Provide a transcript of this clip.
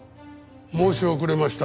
申し遅れました。